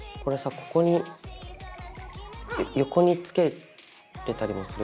ここに横につけれたりもする？